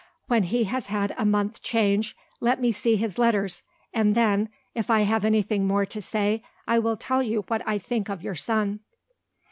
When he has had a month's change, let me see his letters; and then, if I have anything more to say, I will tell you what I think of your son."